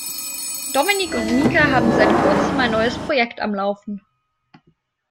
Dominik und Mika haben seit kurzem ein neues Projekt am Laufen.